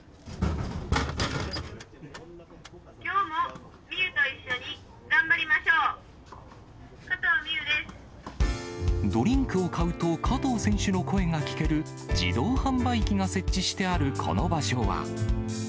きょうも未唯と一緒に頑張りドリンクを買うと、加藤選手の声が聞ける自動販売機が設置してあるこの場所は。